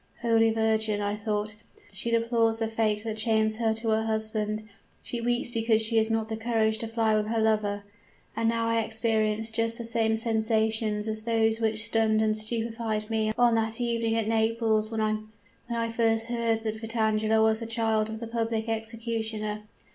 "'Holy Virgin!' I thought, 'she deplores the fate that chains her to her husband! she weeps because she has not courage to fly with her lover!' and now I experienced just the same sensations as those which stunned and stupefied me on that evening at Naples when I first heard that Vitangela was the child of the public executioner.